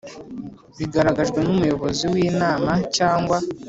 Bigaragajwe n umuyobozi w inama cyangwa